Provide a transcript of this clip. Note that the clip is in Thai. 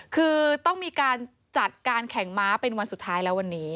คือต้องมีการจัดการแข่งม้าเป็นวันสุดท้ายแล้ววันนี้